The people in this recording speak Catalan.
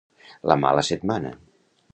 La mala setmana.